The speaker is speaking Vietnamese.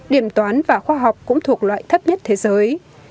điểm toán và khoa học cũng thuộc loại thấp nhất thế giới